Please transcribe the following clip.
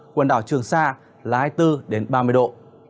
quần đảo trường sa là hai mươi bốn ba mươi độ